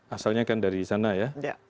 asalnya kan dari sana ya